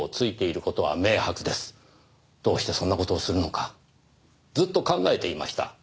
どうしてそんな事をするのかずっと考えていました。